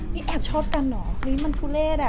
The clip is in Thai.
นี่แอบชอบกันเหรอนี่มันทุเรศ